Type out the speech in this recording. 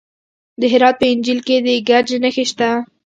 د هرات په انجیل کې د ګچ نښې شته.